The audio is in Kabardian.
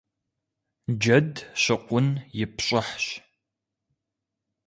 Джэд щыкъун и пщӀыхьщ.